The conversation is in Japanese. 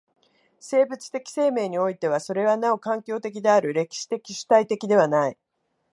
生物的生命においてはそれはなお環境的である、歴史的主体的ではない。